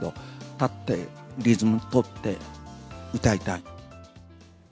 立ってリズム取って歌いたい。